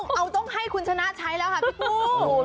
เอาต้องให้คุณชนะใช้แล้วค่ะพี่กุ้ง